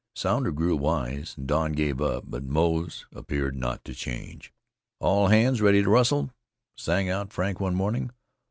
Sounder grew wise, and Don gave up, but Moze appeared not to change. "All hands ready to rustle," sang out Frank one morning.